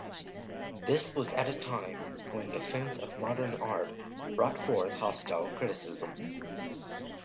This was at a time when defense of modern art brought forth hostile criticism.